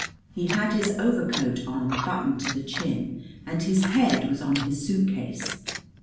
He had his overcoat on, buttoned to the chin, and his head was on his suit case.